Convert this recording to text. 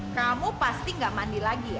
kamu pasti gak mandi lagi ya